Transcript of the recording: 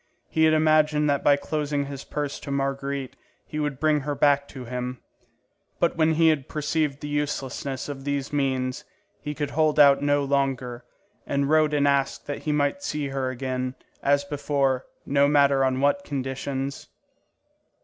He had imagined that by closing his purse to Marguerite, he would bring her back to him; but when he had perceived the uselessness of these means, he could hold out no longer; he wrote and asked that he might see her again, as before, no matter on what conditions.